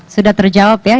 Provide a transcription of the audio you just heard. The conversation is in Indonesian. sudah terjawab ya